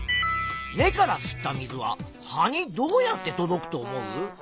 根から吸った水は葉にどうやって届くと思う？